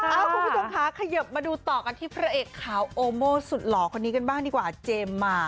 คุณผู้ชมค่ะขยบมาดูต่อกันที่พระเอกขาวโอโมสุดหล่อคนนี้กันบ้างดีกว่าเจมส์มา